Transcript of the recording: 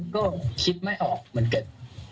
ก็คิดไม่ออกเหมือนกัน